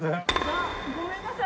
ごめんなさい。